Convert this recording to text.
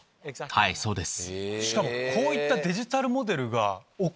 はいそうです。